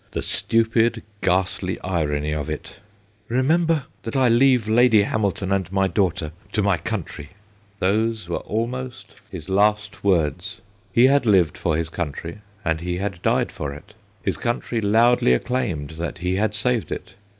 The stupid, ghastly irony of it !' Remembei that I leave Lady Hamilton and my daughtei to my country '; those were almost his last 190 THE GHOSTS OF PICCADILLY words. He had lived for his country, and he had died for it. His country loudly acclaimed that he had saved it.